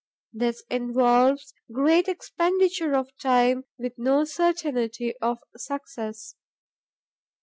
This involves great expenditure of time, with no certainty of success.